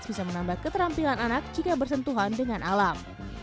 bisa menambah keterampilan anak jika bersentuhan dengan alam